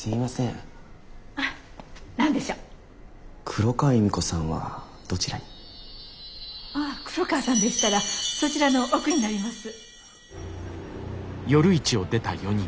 黒川由美子さんはどちらに？ああ黒川さんでしたらそちらの奥になります。